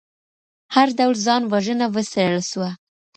هر ډول ځان وژنه وڅیړل سوه.